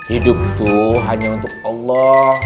hidup tuh hanya untuk allah